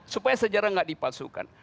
supaya sejarah nggak dipasukan